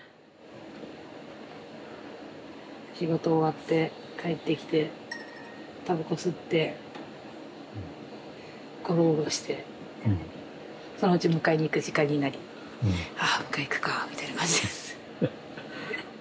仕事終わって帰ってきてタバコ吸ってごろごろしてそのうち迎えに行く時間になりあ迎えに行くかみたいな感じです。